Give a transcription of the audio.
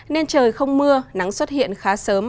nên trời không mưa nắng xuất hiện khá sớm